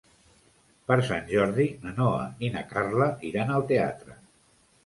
Per Sant Jordi na Noa i na Carla iran al teatre.